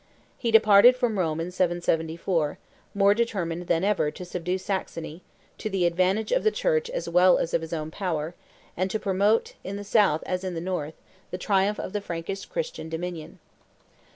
He departed from Rome in 774, more determined than ever to subdue Saxony, to the advantage of the Church as well as of his own power, and to promote, in the South as in the North, the triumph of the Frankish Christian dominion.